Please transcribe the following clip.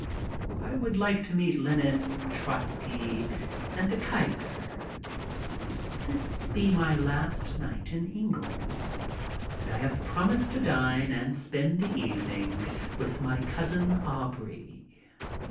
I would like to meet Lenin, Trotzky, and the Kaiser. This is to be my last night in England, and I have promised to dine and spend the evening with my Cousin Aubrey.